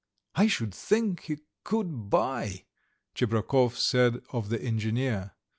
"I should think he could buy!" Tcheprakov said of the engineer.